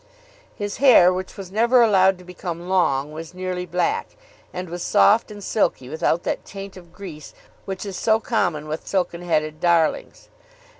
His hair, which was never allowed to become long, was nearly black, and was soft and silky without that taint of grease which is so common with silken headed darlings.